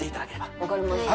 わかりました。